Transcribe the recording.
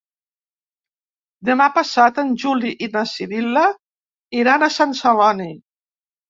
Demà passat en Juli i na Sibil·la iran a Sant Celoni.